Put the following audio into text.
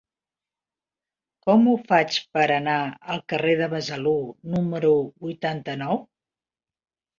Com ho faig per anar al carrer de Besalú número vuitanta-nou?